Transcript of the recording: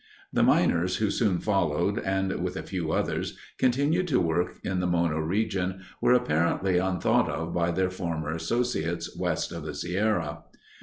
The miners who soon followed and, with a few others, continued to work in the Mono region, were apparently unthought of by their former associates west of the Sierra.